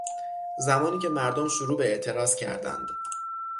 زمانی که مردم شروع به اعتراض کردند